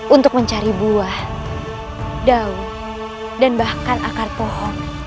untuk mencari buah daun dan bahkan akar pohon